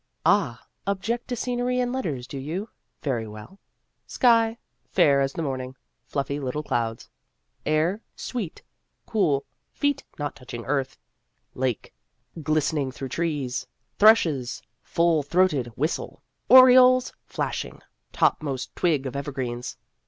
(Ah, object to scenery in letters, do you ? Very well.) Sky fair as the morning fluffy little clouds. Air sweet cool feet not touching earth. Lake glisten 256 Vassar Studies ing through trees thrushes "full throated" whistle. Orioles flashing topmost twig of evergreens.